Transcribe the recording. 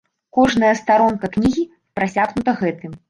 Кожная старонка кнігі прасякнута гэтым.